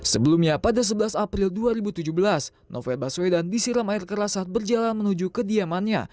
sebelumnya pada sebelas april dua ribu tujuh belas novel baswedan disiram air keras saat berjalan menuju kediamannya